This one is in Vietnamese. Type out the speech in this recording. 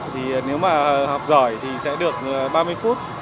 thì nếu mà học giỏi thì sẽ được ba mươi phút